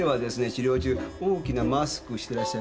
治療中大きなマスクしてらっしゃいますね。